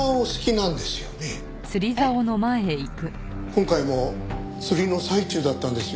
今回も釣りの最中だったんですよね？